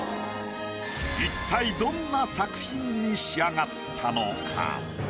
一体どんな作品に仕上がったのか？